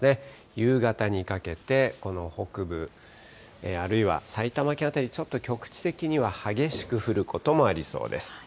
夕方にかけて、この北部、あるいは埼玉県辺り、ちょっと局地的には激しく降ることもありそうです。